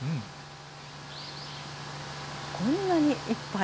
こんなにいっぱい。